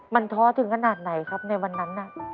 มันท้อถึงขนาดไหนครับในวันนั้น